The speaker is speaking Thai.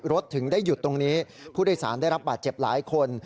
ถึงได้หยุดตรงนี้ผู้โดยสารได้รับบาดเจ็บหลายคน